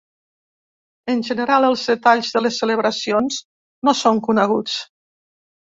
En general els detalls de les celebracions no són coneguts.